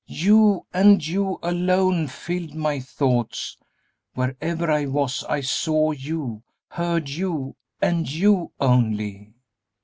You, and you alone, filled my thoughts. Wherever I was, I saw you, heard you, and you only.